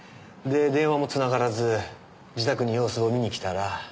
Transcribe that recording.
で電話も繋がらず自宅に様子を見にきたら。